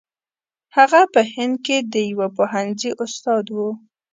هغه په هند کې د یوه پوهنځي استاد وو.